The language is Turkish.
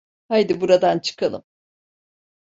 Haydi buradan çıkalım.